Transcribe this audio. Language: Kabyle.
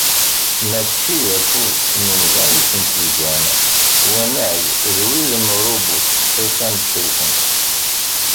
Mačči d afus n umdan i ten-igan, wanag d wid n urubu s ssifa n tewtemt.